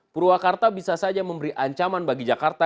purwakarta bisa saja memberi ancaman bagi jakarta